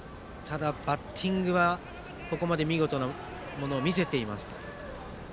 バッティングは、ここまで見事なものを見せています。